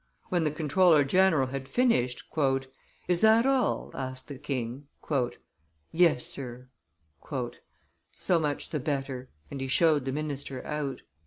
When the comptroller general had finished, "Is that all?" asked the king. "Yes, Sir." "So much the better," and he showed the minister out.